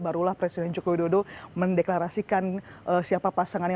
barulah presiden jokowi dodo mendeklarasikan siapa pasangannya